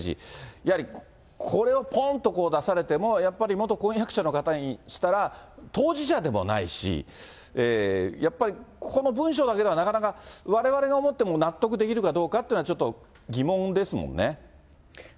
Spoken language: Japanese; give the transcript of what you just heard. やはり、これをぽんと出されても、やっぱり元婚約者の方にしたら、当事者でもないし、やっぱり、この文章だけでは、われわれが思っても納得できるかどうかっていうそのとおりですね。